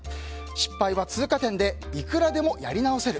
失敗は通過点でいくらでもやり直せる。